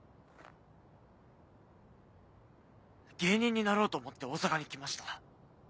芸人になろうと思って大阪に来ました。